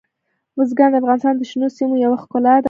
بزګان د افغانستان د شنو سیمو یوه ښکلا ده.